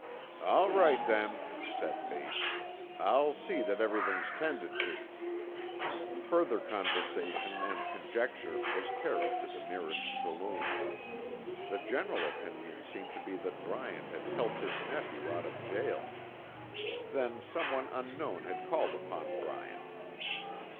"All right, then," said Bates. "I'll see that everything's tended to." Further conversation and conjecture was carried to the nearest saloon. The general opinion seemed to be that Bryant had helped his nephew out of jail. Then someone unknown had called upon Bryant.